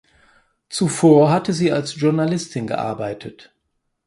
Zuvor hatte sie als Journalistin gearbeitet.